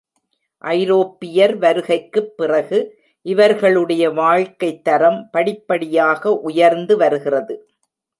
ஐரோப்பியர் வருகைக்குப் பிறகு, இவர்களுடைய வாழ்க்கைத்தரம் படிப்படியாக உயர்ந்து வருகிறது.